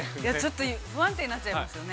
◆ちょっと不安定になっちゃいますよね。